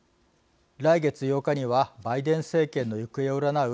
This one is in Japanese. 来月８日にはバイデン政権の行方を占う